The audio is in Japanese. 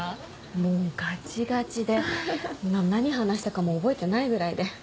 もうガチガチで何話したかも覚えてないぐらいで。